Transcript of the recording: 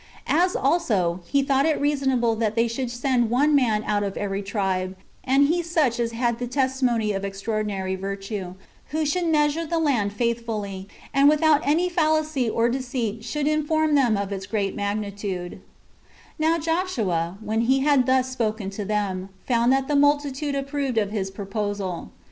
As also, he thought it reasonable that they should send one man out of every tribe, and he such as had the testimony of extraordinary virtue, who should measure the land faithfully, and without any fallacy or deceit should inform them of its real magnitude. 21. Now Joshua, when he had thus spoken to them, found that the multitude approved of his proposal.